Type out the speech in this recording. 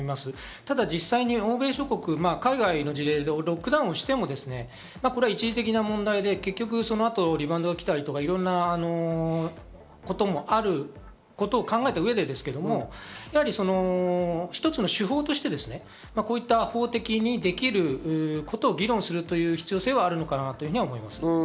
ただ、実際、欧米諸国、海外の事例でロックダウンをしても、一時的な問題で結局、そのあとリバウンドが来たり、いろんなこともあることを考えた上でですけれども、一つの手法として、こういった法的にできることを議論するという必要性はあるのかなと思います。